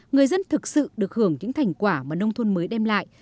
người dân thực sự được hưởng những thành quả mà nông thôn mới đem lại